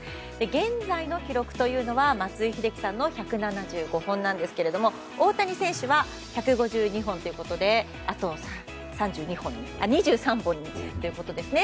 現在の記録は松井秀喜さんの１７５本ですが大谷選手は１５２本ということであと２３本ということですね。